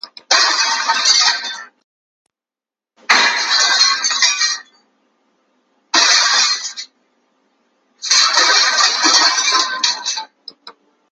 Коли найдется добрый человек, дай бог вам любовь да совет.